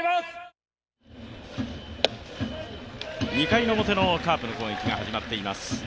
２回表のカープの攻撃が始まっています。